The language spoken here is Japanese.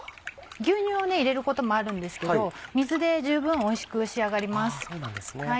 牛乳を入れることもあるんですけど水で十分おいしく仕上がります。